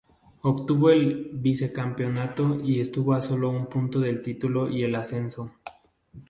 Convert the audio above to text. Obtuvo el vicecampeonato y estuvo a solo un punto del título y el ascenso.